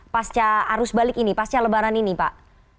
pasca arus balik ini pasca lebaran ini pak